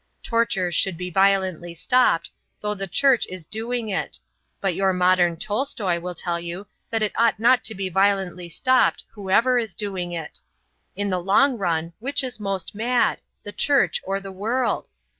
Torture should be violently stopped, though the Church is doing it. But your modern Tolstoy will tell you that it ought not to be violently stopped whoever is doing it. In the long run, which is most mad the Church or the world?